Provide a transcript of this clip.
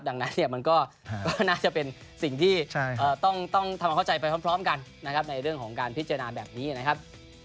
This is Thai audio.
ดังนั้นเนี่ยมันก็น่าจะเป็นสิ่งที่ต้องทำความเข้าใจไปพร้อมกันนะครับในเรื่องของการพิจารณาแบบนี้นะครับ